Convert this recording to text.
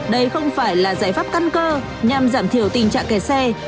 đây không phải là giải pháp căn cơ nhằm giảm thiểu tình trạng kẻ xe